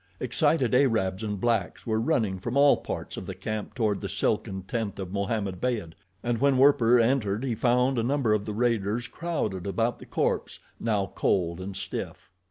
Excited Arabs and blacks were running from all parts of the camp toward the silken tent of Mohammed Beyd, and when Werper entered he found a number of the raiders crowded about the corpse, now cold and stiff.